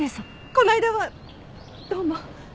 この間はどうも。